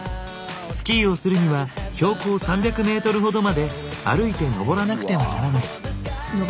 スキーをするには標高３００ｍほどまで歩いて登らなくてはならない。